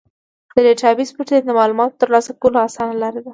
د ډیټابیس پوښتنې د معلوماتو ترلاسه کولو اسانه لاره ده.